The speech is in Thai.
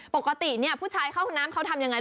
ปกติเนี่ยผู้ชายเข้าน้ำเขาทำยังไง